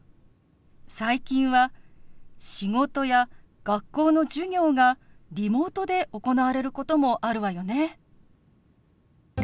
最近は仕事や学校の授業がリモートで行われることもあるわよね。